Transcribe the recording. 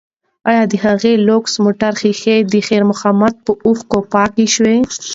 ایا د هغه لوکس موټر ښیښې د خیر محمد په اوښکو پاکې شوې؟